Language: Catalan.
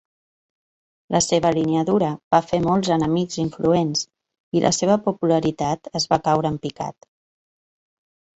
La seva línia dura va fer molts enemics influents, i la seva popularitat es va caure en picat.